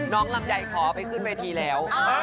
ลำไยขอไปขึ้นเวทีแล้ว